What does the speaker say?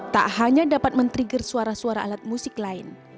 tak hanya dapat men trigger suara suara alat musik lain